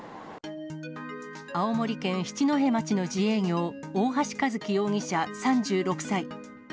青森県七戸町の自営業、大橋一輝容疑者３６歳。